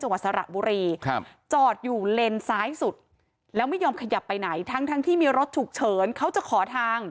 จังหวัดสระบุรีครับจอดอยู่เลนซ้ายสุดแล้วไม่ยอมขยับไปไหนทั้งทั้งที่มีรถฉุกเฉินเขาจะขอทาง